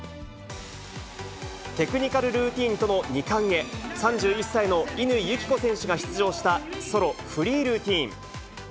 テクニカルルーティンとの２冠へ、３１歳の乾友紀子選手が出場した、ソロフリールーティン。